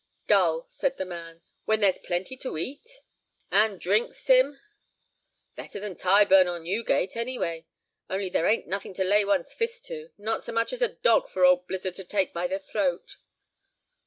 "Dull," said the man, "when there's plenty to eat?" "And drink, Sim?" "Better than Tyburn or Newgate, anyway. Only there ain't nothing to lay one's fist to; not so much as a dog for old Blizzard to take by the throat."